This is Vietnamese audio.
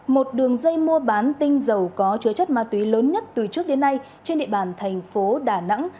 một đường dây mua bán tinh dầu có chứa chất ma túy lớn nhất từ trước đến nay trên địa bàn thành phố đà nẵng